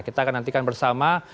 kita akan nantikan bersama